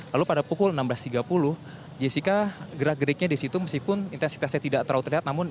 lalu pada pukul enam belas tiga puluh jessica gerak geriknya di situ meskipun intensitasnya tidak terlalu terlihat